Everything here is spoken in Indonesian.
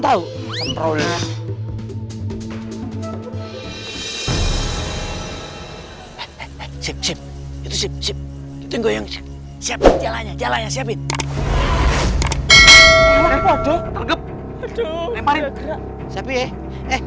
tahu semprong sip sip sip sip sip sip sip siap jalanya jalanya siapin tergep leparin sapi eh eh